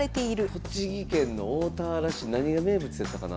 栃木県の大田原市何が名物やったかな。